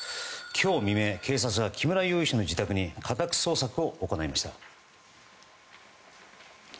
今日未明警察が木村容疑者の自宅に家宅捜索を行いました。